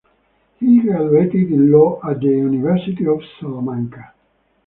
He graduated in Law at the University of Salamanca.